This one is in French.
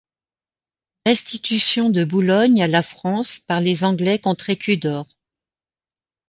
Restitution de Boulogne à la France par les Anglais contre écus d’or.